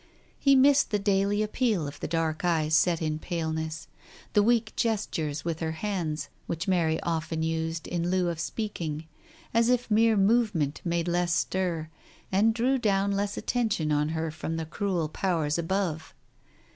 He missed the daily appeal of the dark eyes set in paleness, the weak gestures with her hands which Mary often used in lieu of speak ing, as if mere movement made less stir, and drew down less attention on her from the cruel powers above.